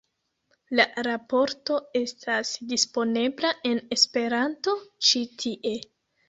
La raporto estas disponebla en Esperanto ĉi tie.